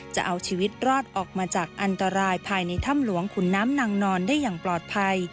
จะเอาชีวิตรอดออกมาจากอันตรายภายในถ้ำหลวงขุนน้ำนางนอนได้อย่างปลอดภัย